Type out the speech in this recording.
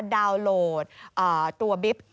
ดาวน์โหลดตัวบิ๊บ